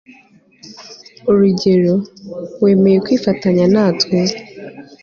urugero, wemeye kwifatanya natwe